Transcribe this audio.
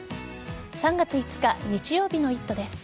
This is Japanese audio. ３月５日日曜日の「イット！」です。